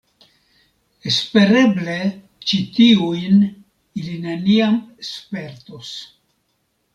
Espereble ĉi tiujn ili neniam spertos.